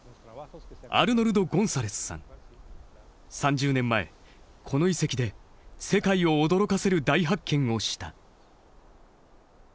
３０年前この遺跡で世界を驚かせる大発見をした。